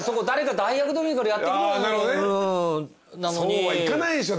そうはいかないでしょ